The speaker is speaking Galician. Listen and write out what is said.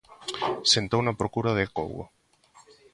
Sentou na procura de acougo.